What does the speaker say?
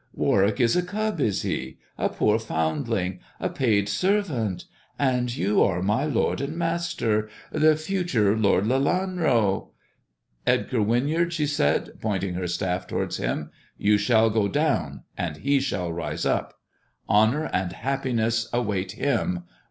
Warwick is a cub, is he — a poor foundling — ^a paid servant — and you are my lord and master — the future Lord Lelanro ? Edgar Winyard," she said, pointing her staff towards him, you shall go down, and he shall rise up. THE dwarf's chamber 123 lonour and happiness await him.